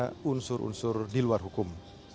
ada unsur unsur di luar hukum